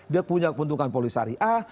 dia punya kepentingan polis syariah